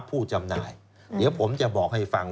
ผู้จำหน่ายเดี๋ยวผมจะบอกให้ฟัง